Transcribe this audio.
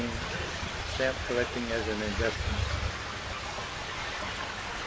Stamp Collecting as an Investment.